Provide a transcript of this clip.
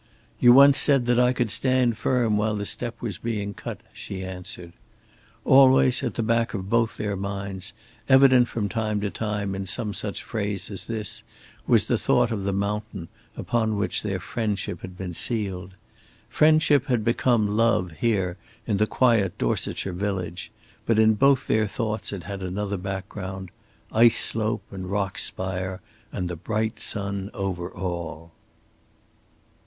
"You once said that I could stand firm while the step was being cut," she answered. Always at the back of both their minds, evident from time to time in some such phrase as this, was the thought of the mountain upon which their friendship had been sealed. Friendship had become love here in the quiet Dorsetshire village, but in both their thoughts it had another background ice slope and rock spire and the bright sun over all.